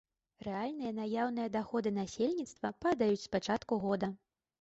Рэальныя наяўныя даходы насельніцтва падаюць з пачатку года.